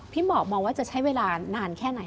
หมอกมองว่าจะใช้เวลานานแค่ไหน